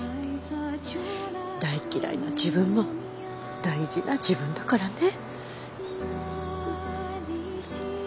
大嫌いな自分も大事な自分だからね。